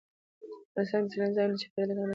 افغانستان کې سیلانی ځایونه د چاپېریال د تغیر نښه ده.